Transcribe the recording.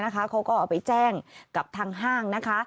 เขาก็เอาไปแจ้งกับทางห้างนะคะ